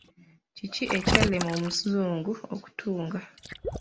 Kiki ekyalema omuzungu okutunga?